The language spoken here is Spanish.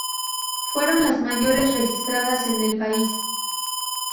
Fueron las mayores registradas en el país.